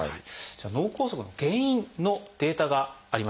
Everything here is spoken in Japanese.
脳梗塞の原因のデータがあります。